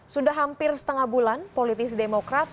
sudah hampir setengah bulan politisi demokrat